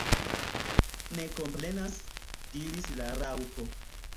"Ne komprenas," diris la Raŭpo.